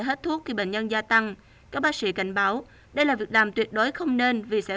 hết thuốc khi bệnh nhân gia tăng các bác sĩ cảnh báo đây là việc làm tuyệt đối không nên vì sẽ